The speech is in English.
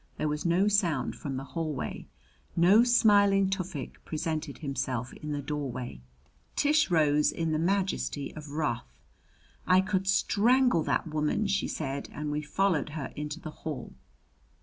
There was no sound from the hallway. No smiling Tufik presented himself in the doorway. Tish rose in the majesty of wrath. "I could strangle that woman!" she said, and we followed her into the hall.